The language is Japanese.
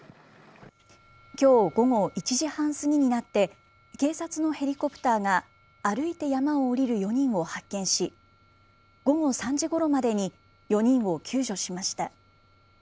きょう午後１時半過ぎになって、警察のヘリコプターが歩いて山を下りる４人を発見し、午後３時ごろまでに４人を救助しました。